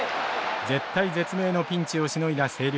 絶体絶命のピンチをしのいだ星稜。